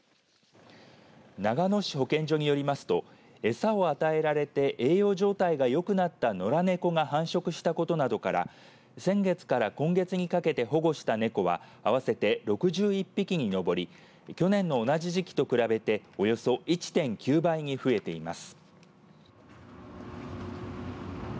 長野市保健所によりますと餌を与えられて栄養状態がよくなった野良猫が繁殖したことなどから先月から今月にかけて保護した猫は合わせて６１匹に上り去年の同じ時期と比べておよそ１．９倍に増えています。